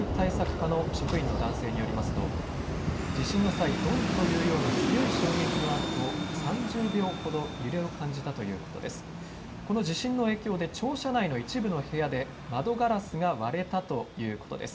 課の職員の男性によりますと地震の際、ドンというような強い衝撃のあと３０秒ほど揺れを感じたということです。